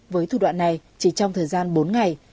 với thủ đoạn này chỉ trong thời gian bốn ngày